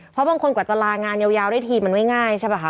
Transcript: เพราะบางคนกว่าจะลางานยาวได้ทีมันไม่ง่ายใช่ป่ะคะ